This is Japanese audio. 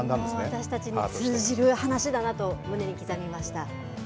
私たちにも通じる話だと胸に刻みました。